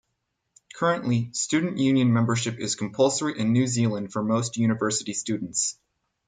Currently, Student Union membership is compulsory in New Zealand for most university students.